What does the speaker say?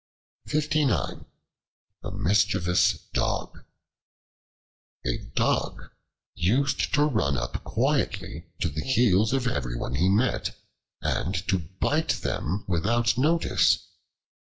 The Mischievous Dog A DOG used to run up quietly to the heels of everyone he met, and to bite them without notice.